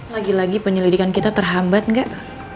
lagi lagi penyelidikan kita terhambat nggak